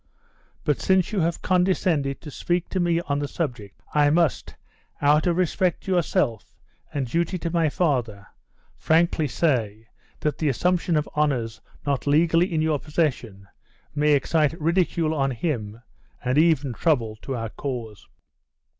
But since you have condescended to speak to me on the subject, I must, out of respect to yourself, and duty to my father, frankly say, that the assumption of honors not legally in your possession may excite ridicule on him, and even trouble to our cause."